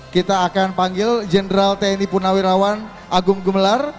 kita akan panggil jenderal tni punawirawan agung gemelar